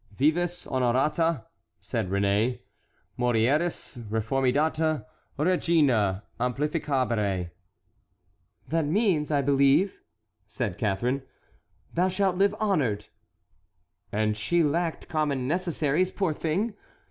"Vives honorata," said Réné, "morieris reformidata, regina amplificabere." "That means, I believe," said Catharine, "Thou shalt live honored—and she lacked common necessaries, poor thing!